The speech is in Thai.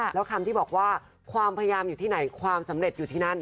แล้วคำที่บอกว่าความพยายามอยู่ที่ไหนความสำเร็จอยู่ที่นั่น